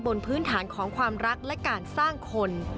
บนพื้นฐานของความรักและการสร้างคน